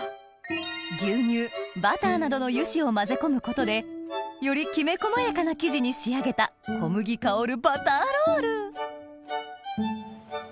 牛乳バターなどの油脂を混ぜ込むことでよりきめ細やかな生地に仕上げた小麦香る